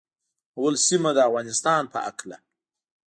اول سیمه د افغانستان په هکله